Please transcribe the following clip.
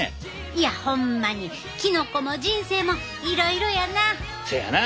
いやホンマにキノコも人生もいろいろやな！せやな。